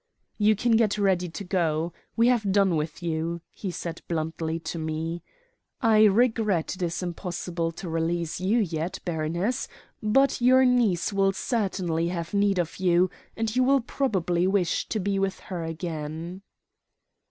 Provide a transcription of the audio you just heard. "'You can get ready to go. We have done with you,' he said bluntly to me. 'I regret it is impossible to release you yet, baroness; but your niece will certainly have need of you, and you will probably wish to be with her again.'